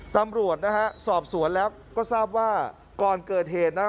ตำรวจนะฮะสอบสวนแล้วก็ทราบว่าก่อนเกิดเหตุนะ